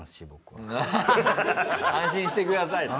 安心してくださいと。